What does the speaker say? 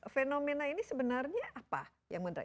fenomena ini sebenarnya apa yang menarik